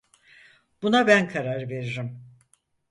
Buna ben karar veririm.